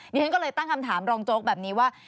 ฉันก็เลยตั้งคำถามรองโจ๊กแบบนี้ว่า